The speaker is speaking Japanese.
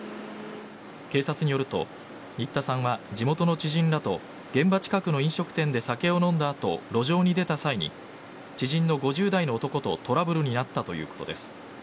警察によると、新田さんは地元の知人らと現場近くの飲食店で酒を飲んだあと路上に出た際に知人の５０代の男とトラブルになったということです。